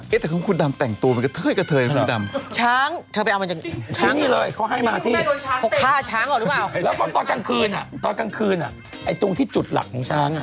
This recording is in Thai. เอ๊ะแต่คุณดำแต่งตัวเหมือนกระเทยกระเทย